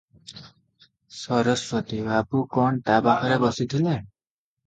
ସରସ୍ୱତୀ - ବାବୁ କଣ ତା ପାଖରେ ବସିଥିଲେ?